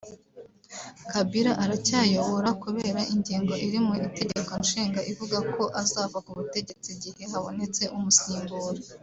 Kabila aracyayobora kubera ingingo iri mu Itegeko Nshinga ivuga ko azava ku butegetsi igihe habonetse umusimbura